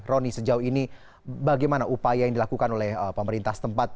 roni sejauh ini bagaimana upaya yang dilakukan oleh pemerintah tempat